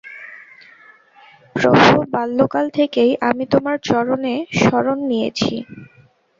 Provo, বাল্যকাল থেকেই আমি তোমার চরণে শরণ নিয়েছি।